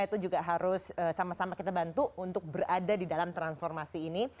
itu juga harus sama sama kita bantu untuk berada di dalam transformasi ini